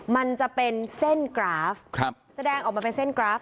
มันจะเป็นเส้นกราฟแสดงออกมาเป็นเส้นกราฟ